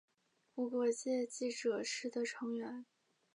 无国界记者是的成员。